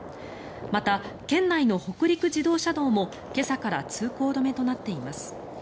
また、県内の北陸自動車道も今朝から通行止めとなっています。